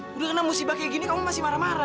udah kena musibah kayak gini kamu masih marah marah